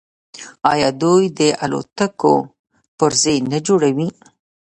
آیا دوی د الوتکو پرزې نه جوړوي؟